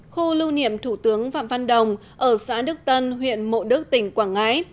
khu lưu niệm thủ tướng phạm văn đồng ở xã đức tân huyện mộ đức tỉnh quảng ngãi